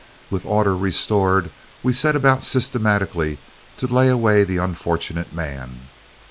With order restored, we set about systematically to lay away the unfortunate man.